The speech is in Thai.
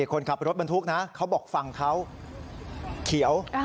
คนขับรถบรรทุกนะเขาบอกฝั่งเขาเขียว